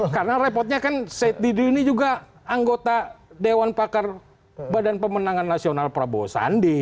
karena repotnya kan said didu ini juga anggota dewan pakar badan pemenangan nasional prabowo sandi